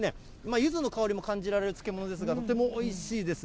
ゆずの香りも感じられる漬物ですが、とてもおいしいです。